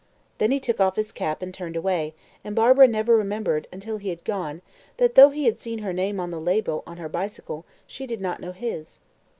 Then he took off his cap and turned away, and Barbara never remembered, until he had gone, that though he had seen her name on the label on her bicycle she did not know his.